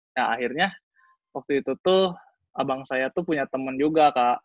nah akhirnya waktu itu tuh abang saya tuh punya teman juga kak